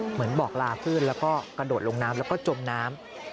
บอกลาขึ้นแล้วก็กระโดดลงน้ำแล้วก็จมน้ำ